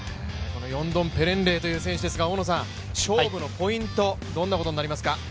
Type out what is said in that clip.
ヨンドンペレンレイという選手ですが、勝負のポイント、どんなところになりますか？